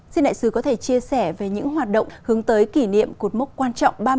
xin đại sứ có thể chia sẻ về những hoạt động hướng tới kỷ niệm cuộc mốc quan trọng